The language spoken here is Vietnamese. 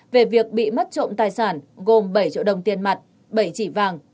về việc bị mất trộm tài sản gồm bảy triệu đồng tiền mặt bảy chỉ vàng